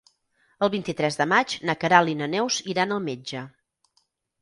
El vint-i-tres de maig na Queralt i na Neus iran al metge.